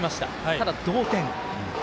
ただ、同点。